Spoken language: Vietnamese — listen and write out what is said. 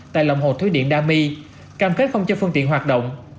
tại lòng hồ thủy điện đa my cam kết không cho phương tiện hoạt động